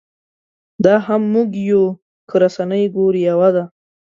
دا هم موږ یو که رسنۍ ګورې یوه ده.